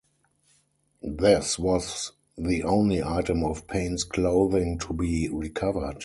This was the only item of Payne's clothing to be recovered.